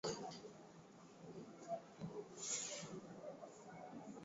Punja Kara Haji alidai mahakamani alipwe na Karume